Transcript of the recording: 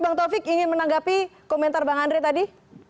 bang taufik ingin menanggapi komentar bang and acces tadi